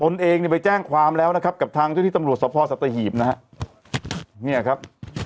ตนเองไปแจ้งความแล้วนะครับกับทางที่ตำรวจสัตว์พ่อสัตว์หีบนะครับ